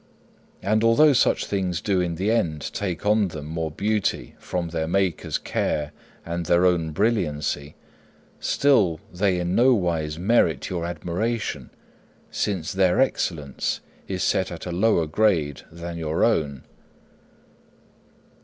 And although such things do in the end take on them more beauty from their Maker's care and their own brilliancy, still they in no wise merit your admiration since their excellence is set at a lower grade than your own.